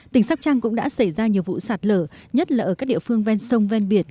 tỉnh sóc trăng cũng đã xảy ra nhiều vụ sạt lở nhất là ở các địa phương ven sông ven biển